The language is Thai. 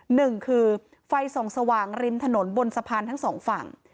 หนึ่งคือไฟส่องสว่างริมถนนบนสะพานทั้งสองฝั่ง